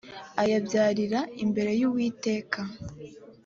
ayabyarira imbere y’uwiteka